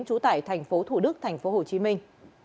trú tại thành phố thủ đức thành phố hồ chí minh